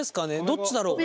どっちだろう。